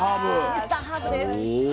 ミスターハーブです。